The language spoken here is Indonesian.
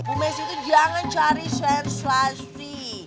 bu messi itu jangan cari sensasi